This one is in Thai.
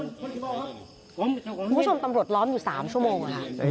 คุณผู้ชมตำรวจล้อมอยู่๓ชั่วโมงค่ะ